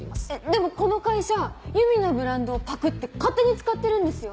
でもこの会社ゆみのブランドをパクって勝手に使ってるんですよ？